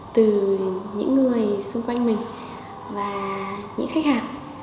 từ những người xung quanh mình và những khách hàng